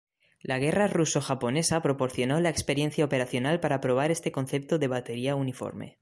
La guerra ruso-japonesa proporcionó la experiencia operacional para probar este concepto de batería uniforme.